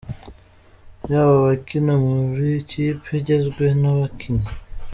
ya’abakina buri kipe igizwe n’abakinnyi